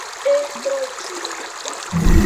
E tro jime.